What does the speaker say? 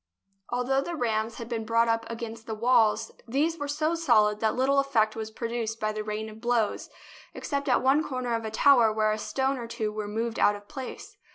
Although the rams had been brought up against the walls, these were so solid that little effect was produced by the rain of blows, except at one cor ner of a tower where a stone or two were moved out of place.